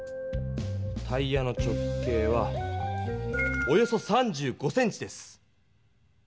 タイヤの直径はおよそ３５ｃｍです。